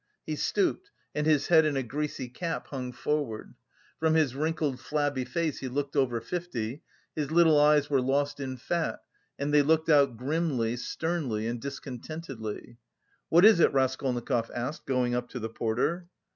He stooped, and his head in a greasy cap hung forward. From his wrinkled flabby face he looked over fifty; his little eyes were lost in fat and they looked out grimly, sternly and discontentedly. "What is it?" Raskolnikov asked, going up to the porter.